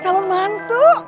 susah calon mantu